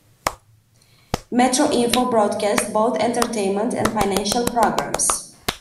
Metroinfo broadcast both entertainment and financial programs.